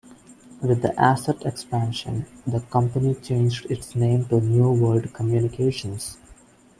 With the asset expansion, the company changed its name to New World Communications.